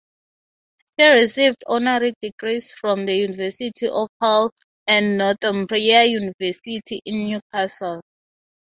He received honorary degrees from the University of Hull and Northumbria University in Newcastle.